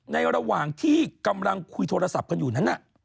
ระหว่างที่กำลังคุยโทรศัพท์กันอยู่นั้น